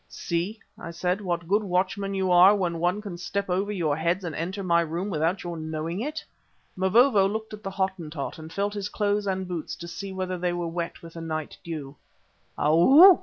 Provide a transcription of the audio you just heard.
"See," I said, "what good watchmen you are when one can step over your heads and enter my room without your knowing it!" Mavovo looked at the Hottentot and felt his clothes and boots to see whether they were wet with the night dew. "_Ow!